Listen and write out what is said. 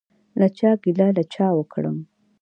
له چا ګیله له چا وکړم؟